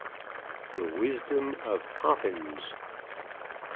THE WISDOM OF POPPINS.